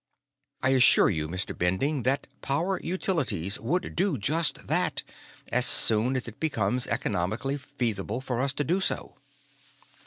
"I assure you, Mr. Bending, that Power Utilities would do just that as soon as it became economically feasible for us to do so."